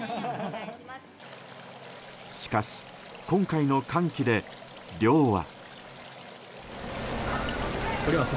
しかし、今回の寒気で漁は。